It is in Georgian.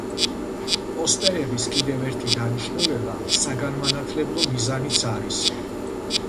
პოსტერების კიდევ ერთი დანიშნულება საგანმანათლებლო მიზანიც არის.